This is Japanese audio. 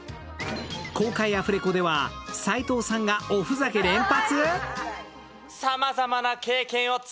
公開アフレコでは斎藤さんがおふざけ連発。